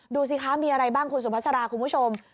ดูสิคะมีอะไรบ้างคุณสุภาษาคุณผู้ชม